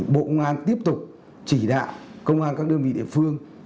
bộ công an tiếp tục chỉ đạo công an các đơn vị địa phương